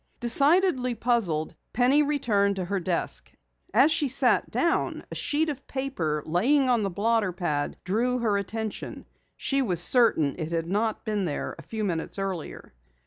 Decidedly puzzled, Penny returned to her desk. As she sat down a sheet of paper lying on the blotter pad drew her attention. She was certain it had not been there a few minutes earlier.